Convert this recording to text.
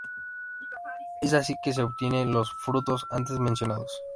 Es así que se obtienen los frutos antes mencionados.